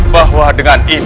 bahwa dengan ini